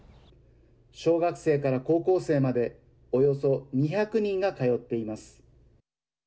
小学生から高校生までおよそ２００人が通っています。